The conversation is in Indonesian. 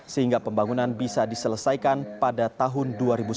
sehingga pembangunan bisa diselesaikan pada tahun dua ribu sembilan belas